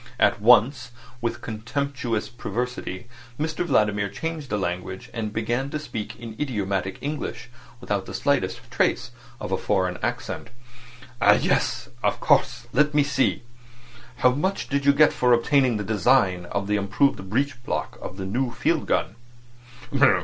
At once, with contemptuous perversity, Mr Vladimir changed the language, and began to speak idiomatic English without the slightest trace of a foreign accent. "Ah! Yes. Of course. Let's see. How much did you get for obtaining the design of the improved breech block of their new field gun?"